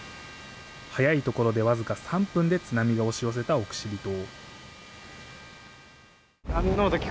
早い所で僅か３分で津波が押し寄せた奥尻島。